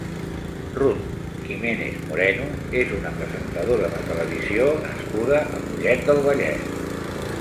Ruth Jiménez Moreno és una presentadora de televisió nascuda a Mollet del Vallès.